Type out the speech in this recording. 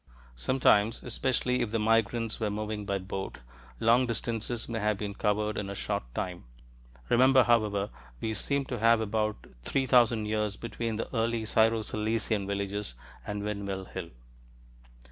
Sometimes, especially if the migrants were moving by boat, long distances may have been covered in a short time. Remember, however, we seem to have about three thousand years between the early Syro Cilician villages and Windmill Hill.